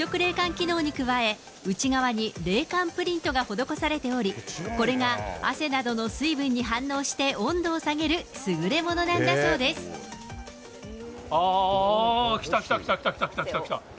機能に加え、内側に冷感プリントが施されており、これが汗などの水分に反応して温度を下げる優れものなんだそうでああー、きたきたきたきた。